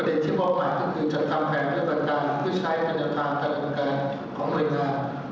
ก็คือการส่งต่อการบรรษการแผ่นดินให้รัฐบาลทุกประมาณ